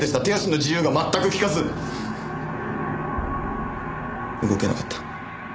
手足の自由が全く利かず動けなかった。